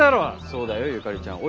そうだよゆかりちゃん。